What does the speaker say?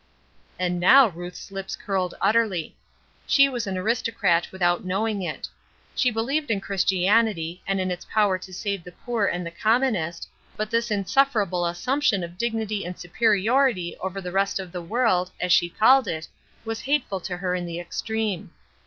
And now Ruth's lips curled utterly. She was an aristocrat without knowing it. She believed in Christianity, and in its power to save the poor and the commonest, but this insufferable assumption of dignity and superiority over the rest of the world, as she called it, was hateful to her in the extreme.